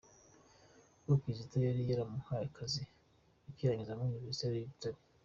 Uwo Kizito yari yaramuhaye akazi akirangiza muri Université y’i Butare.